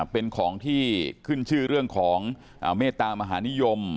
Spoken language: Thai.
เป็นของที่ขึ้นชื่อเรื่องของเมตตามหานิยม